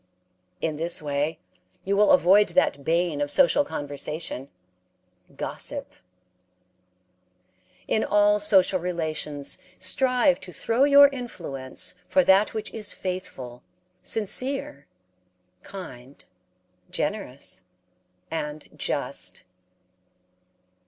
In this way you will avoid that bane of social conversation gossip. In all social relations strive to throw your influence for that which is faithful, sincere, kind, generous, and just.